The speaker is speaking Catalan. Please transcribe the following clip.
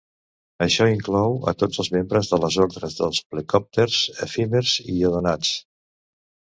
Això inclou a tots els membres de les ordres dels plecòpters, efímers i odonats.